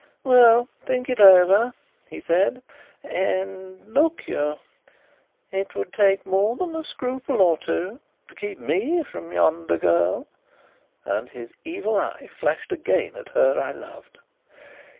"Well, think it over," he said. "And, look you, it would take more than a scruple or two to keep me from yonder girl," and his evil eye flashed again at her I loved.